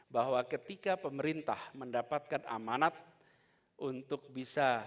bahwa ketika pemerintah mendapatkan amanat untuk bisa